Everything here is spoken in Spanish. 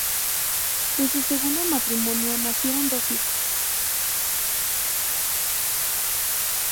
De su segundo matrimonio nacieron dos hijos.